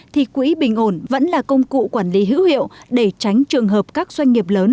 thì quỹ bình ổn vẫn là công cụ quản lý hữu hiệu để tránh trường hợp các doanh nghiệp lớn